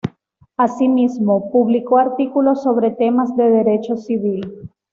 Asimismo, publicó artículos sobre temas de Derecho Civil.